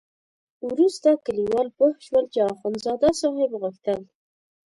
وروسته کلیوال پوه شول چې اخندزاده صاحب غوښتل.